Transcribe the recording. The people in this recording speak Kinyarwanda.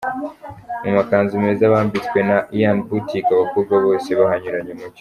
Mu makanzu meza bambitswe na Ian boutique, abakobwa bose bahanyuranye umucyo.